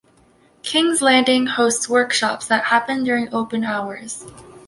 Kings Landing hosts workshops that happen during open hours.